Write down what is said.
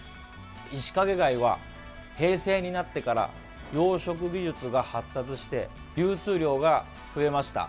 イシカゲ貝は平成になってから養殖技術が発達して流通量が増えました。